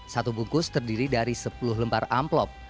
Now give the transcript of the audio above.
satu bungkus terdiri dari sepuluh lembar amplop